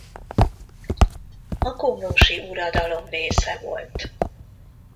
A komlósi uradalom része volt.